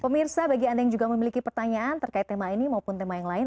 pemirsa bagi anda yang juga memiliki pertanyaan terkait tema ini maupun tema yang lain